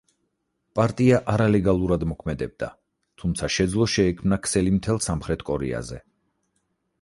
პარტია არალეგალურად მოქმედებდა, თუმცა შეძლო შეექმნა ქსელი მთელ სამხრეთ კორეაზე.